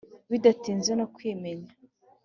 bidatinze no kwimenya